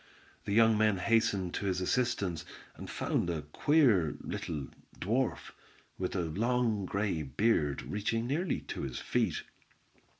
The young men hastened to his assistance, and found a queer, little dwarf, with a long grey beard reaching nearly to his feet.